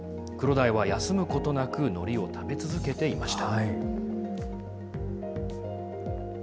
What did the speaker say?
クロダイは休むことなく、のりを食べ続けていました。